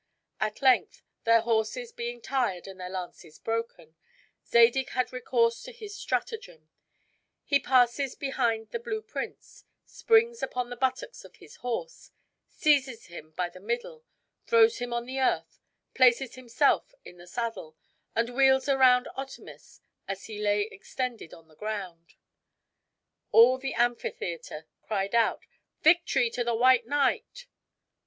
At length, their horses being tired and their lances broken, Zadig had recourse to this stratagem: He passes behind the blue prince; springs upon the buttocks of his horse; seizes him by the middle; throws him on the earth; places himself in the saddle; and wheels around Otamus as he lay extended on the ground. All the amphitheater cried out, "Victory to the white knight!"